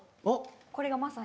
これがまさに。